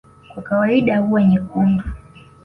kwa kawaida huwa nyekundu